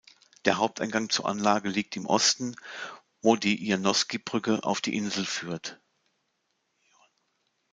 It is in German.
Der Haupteingang zur Anlage liegt im Osten, wo die Ioannowski-Brücke auf die Insel führt.